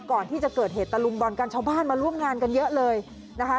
ก่อนที่จะเกิดเหตุตะลุมบอลกันชาวบ้านมาร่วมงานกันเยอะเลยนะคะ